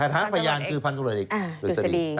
ถามพยานคือพันธุรกิจอุตสดี